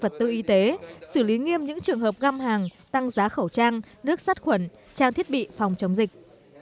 trong những trường hợp găm hàng tăng giá khẩu trang nước sắt khuẩn trang thiết bị phòng chống dịch